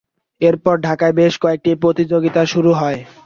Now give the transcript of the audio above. এরপর ঢাকায় বেশ কয়েকটি প্রতিযোগিতা শুরু হয়।